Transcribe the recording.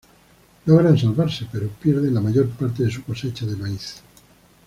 Logran salvarse, pero pierden la mayor parte de su cosecha de maíz.